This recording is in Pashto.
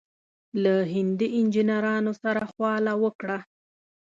له هندي انجنیرانو سره خواله وکړه.